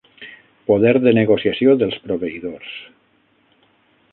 Poder de negociació dels proveïdors.